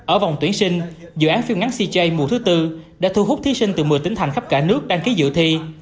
ở vòng tuyển sinh dự án phim ngắn cj mùa thứ tư đã thu hút thí sinh từ một mươi tỉnh thành khắp cả nước đăng ký dự thi